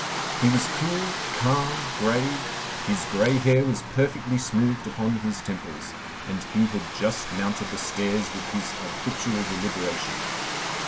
He was cool, calm, grave, his gray hair was perfectly smooth upon his temples, and he had just mounted the stairs with his habitual deliberation.